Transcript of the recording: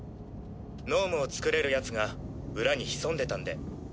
脳無をつくれる奴が裏に潜んでたんで。